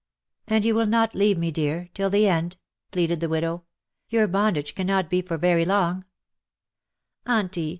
^^ And you will not leave me, dear, till the end ?" pleaded the widow. '^ Your bondage cannot be for very long/^ '^ Auntie